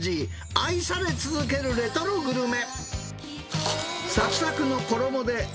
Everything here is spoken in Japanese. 愛され続けるレトログルメ。